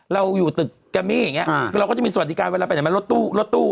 เราอยู่ตึกกะมิอย่างนี้เราก็จะมีสวัสดีการณ์เวลาไปรถตู้